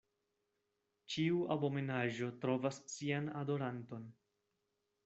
Ĉiu abomenaĵo trovas sian adoranton.